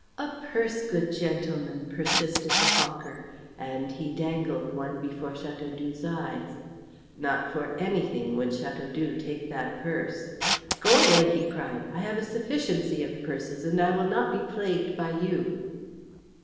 "A purse, good gentleman," persisted the hawker, and he dangled one before Chateaudoux's eyes. Not for anything would Chateaudoux take that purse. "Go away," he cried; "I have a sufficiency of purses, and I will not be plagued by you."